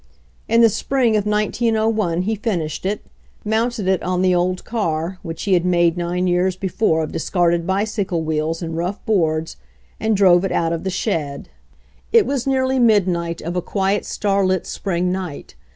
In the spring of 1901 he finished it, mounted it on the old car which he had made nine years before of discarded bicycle wheels and rough boards, and drove it out of the shed. It was ANOTHER EIGHT YEARS 101 nearly midnight of a quiet star lit spring night.